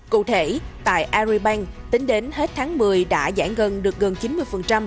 cụ thể tại aribank tính đến hết tháng một mươi đã giải ngân được gần chín mươi